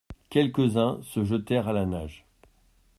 Quelques-uns se jetèrent à la nage.